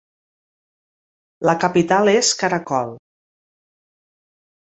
La capital és Karakol.